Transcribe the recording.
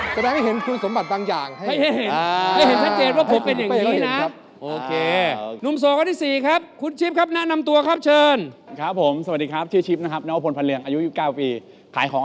แสดงให้เห็นคือสมบัติบางอย่าง